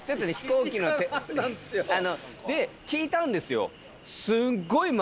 聞いたんですよ。